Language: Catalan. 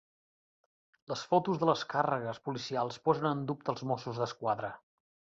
Les fotos de les càrregues policials posen en dubte els Mossos d'Esquadra.